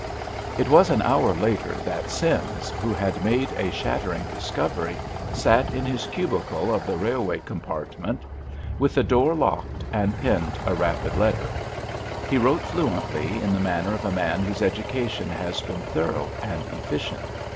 It was an hour later that Sims, who had made a shattering discovery, sat in his cubicle of the railway compartment, with the door locked, and penned a rapid letter. He wrote fluently, in the manner of a man whose education has been thorough and efficient.